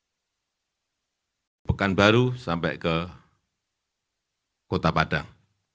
sampai ke pekanbaru sampai ke kota padang